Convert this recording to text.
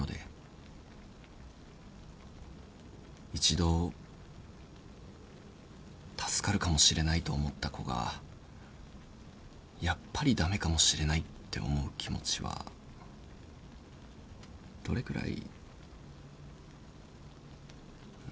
一度助かるかもしれないと思った子がやっぱり駄目かもしれないって思う気持ちはどれくらい。